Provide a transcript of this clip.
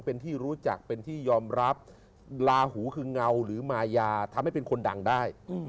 เป็นที่รู้จักเป็นที่ยอมรับลาหูคือเงาหรือมายาทำให้เป็นคนดังได้